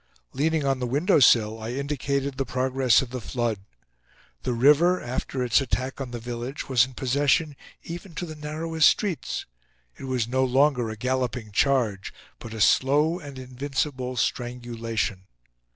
Leaning on the windowsill, I indicated the progress of the flood. The river, after its attack on the village, was in possession even to the narrowest streets. It was no longer a galloping charge, but a slow and invincible strangulation.